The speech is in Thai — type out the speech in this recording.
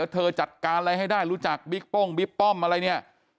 เธอจัดการอะไรให้ได้รู้จักบิ๊กป้มอะไรเนี่ย